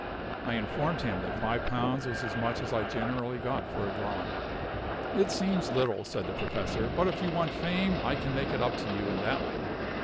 I informed him that five pounds was as much as I generally got for a drawing. "It seems little," said the professor; "but if you want fame, I can make it up to you in that way.